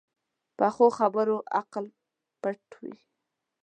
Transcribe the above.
پخو خبرو عقل پټ وي